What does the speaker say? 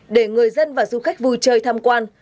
để người dân và du khách vui chơi tham quan